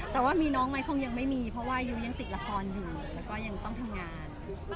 แต่ว่ามีน้องไหมคงยังไม่มีเพราะว่ายูยังติดละครอยู่แล้วก็ยังต้องทำงาน